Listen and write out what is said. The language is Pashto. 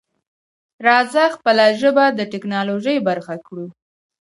راځه خپله ژبه د ټکنالوژۍ برخه کړو.